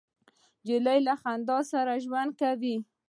نجلۍ له خندا سره ژوند کوي.